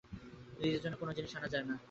নিজের জন্য কোনো জিনিস আনা যায় না।